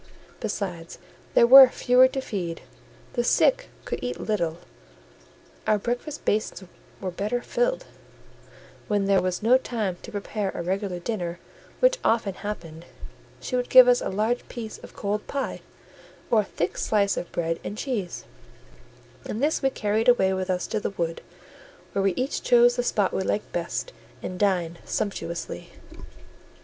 Besides, there were fewer to feed; the sick could eat little; our breakfast basins were better filled; when there was no time to prepare a regular dinner, which often happened, she would give us a large piece of cold pie, or a thick slice of bread and cheese, and this we carried away with us to the wood, where we each chose the spot we liked best, and dined sumptuously.